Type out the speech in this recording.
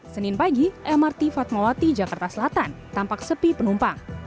senin pagi mrt fatmawati jakarta selatan tampak sepi penumpang